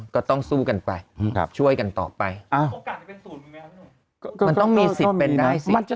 ก็ต้องสู้กันไปช่วยกันต่อไปมันต้องมีสิทธิ์เป็นได้สิ